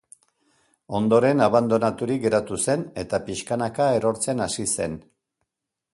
Ondoren abandonaturik geratu zen, eta pixkanaka erortzen hasi zen.